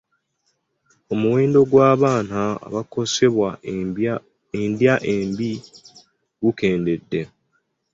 Omuwendo gw'abaana abakosebwa endya embi gukendedde.